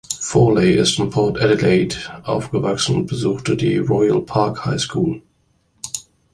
Foley ist in Port Adelaide aufgewachsen und besuchte die Royal Park High School.